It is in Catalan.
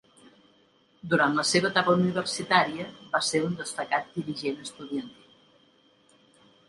Durant la seva etapa universitària va ser un destacat dirigent estudiantil.